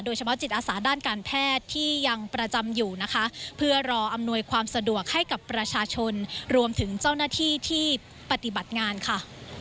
เฉพาะจิตอาสาด้านการแพทย์ที่ยังประจำอยู่นะคะเพื่อรออำนวยความสะดวกให้กับประชาชนรวมถึงเจ้าหน้าที่ที่ปฏิบัติงานค่ะ